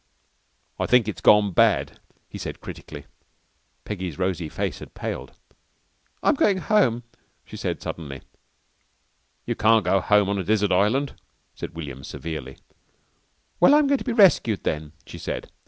"I think it's gone bad," he said critically. Peggy's rosy face had paled. "I'm going home," she said suddenly. "You can't go home on a desert island," said William severely. "Well, I'm going to be rescued then," she said.